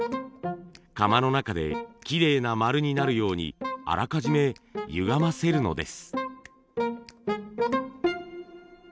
窯の中できれいな丸になるようにあらかじめゆがませるのです。